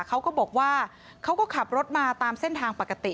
เขาก็บอกว่าเขาก็ขับรถมาตามเส้นทางปกติ